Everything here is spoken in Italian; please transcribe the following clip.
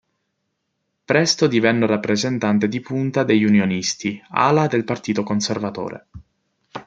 Presto divenne un rappresentante di punta degli Unionisti, ala del Partito Conservatore.